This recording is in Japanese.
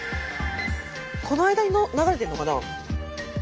この間に流れてるのかな？